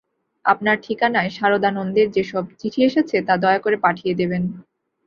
আপনার ঠিকানায় সারদানন্দের যে সব চিঠি এসেছে, তা দয়া করে পাঠিয়ে দেবেন।